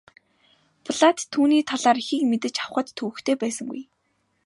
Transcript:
Платт түүний талаар ихийг мэдэж авахад төвөгтэй байсангүй.